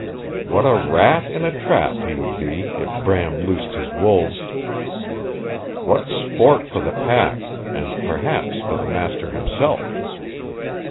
What a rat in a trap he would be if Bram loosed his wolves! What sport for the pack and perhaps for the master himself!